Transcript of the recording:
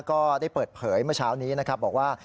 ก็ได้เปิดเผยมาเช้านี้บอกว่า